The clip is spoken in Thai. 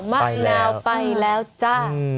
มะนาวไปแล้วจ้า